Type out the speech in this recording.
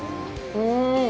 うん。